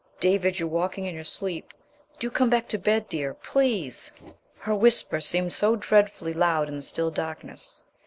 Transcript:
"David, you're walking in your sleep. Do come back to bed, dear, please!" Her whisper seemed so dreadfully loud in the still darkness.